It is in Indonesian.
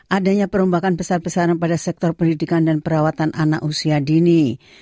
adanya perombakan besar besaran pada sektor pendidikan dan perawatan anak usia dini